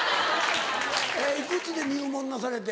えっ幾つで入門なされて？